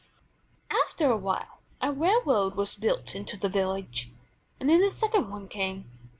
After awhile a railroad was built into the village, and then a second one came.